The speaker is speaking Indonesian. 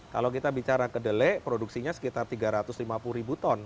kalau kita bicara kedelai produksinya sekitar tiga ratus lima puluh ribu ton